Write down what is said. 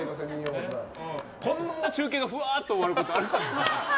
こんな中継がふわっと終わることある？